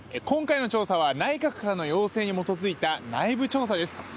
今回の調査は内閣からの要請に基づいた内部調査です。